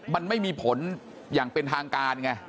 มันไม่มีผลอย่างเป็นทางการไง